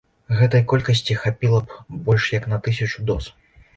Гэтай колькасці хапіла б больш як на тысячу доз.